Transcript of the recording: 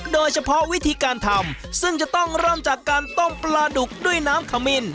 โดยเฉพาะวิธีการทำซึ่งจะต้องเริ่มจากการต้มปลาดุกด้วยน้ำขมิ้น